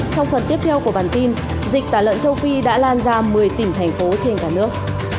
trong phần tiếp theo của bản tin dịch tả lợn châu phi đã lan ra một mươi tỉnh thành phố trên cả nước